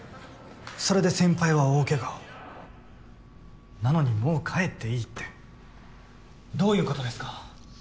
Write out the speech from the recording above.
それで先輩は大けがをなのにもう帰っていいってどういうことですか？